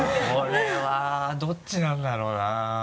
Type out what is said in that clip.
これはどっちなんだろうな？